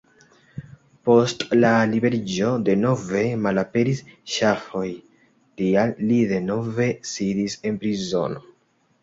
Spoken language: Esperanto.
Post la liberiĝo denove malaperis ŝafoj, tial li denove sidis en prizono.